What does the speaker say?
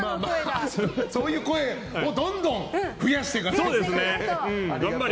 そういう声をどんどん増やしていかないと。